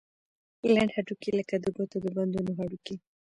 لنډ هډوکي لکه د ګوتو د بندونو هډوکي دي.